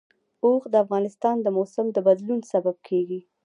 اوښ د افغانستان د موسم د بدلون سبب کېږي.